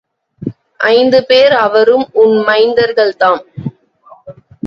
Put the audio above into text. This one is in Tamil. ஐந்து பேர் அவரும் உன் மைந்தர்கள் தாம்.